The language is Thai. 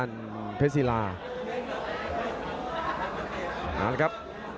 หมดยกที่สองครับ